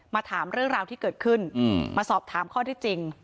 ถามเรื่องราวที่เกิดขึ้นมาสอบถามข้อที่จริง